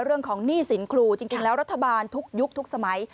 หนี้สินครูจริงแล้วรัฐบาลทุกยุคทุกสมัย